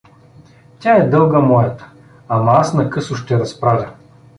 Тя е дълга мойта, ама аз накъсо ще разправя.